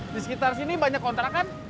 di sekitar sini banyak kontra kan